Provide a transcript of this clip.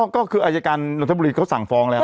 ก็คืออายการนทบุรีเขาสั่งฟ้องแล้ว